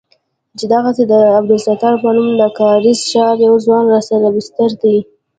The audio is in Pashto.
چې دغسې د عبدالستار په نوم د کارېز ښار يو ځوان راسره بستر دى.